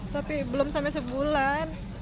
tapi belum sampe sebulan